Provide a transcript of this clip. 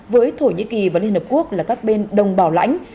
với thổ nhĩ kỳ và liên hợp quốc là các bên đồng bảo lãnh